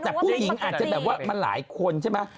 แต่ผู้หญิงอาจจะแบบว่ามันหลายคนใช่ไหม